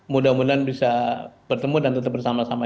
mudah mudahan bisa bertemu dan tetap bersama sama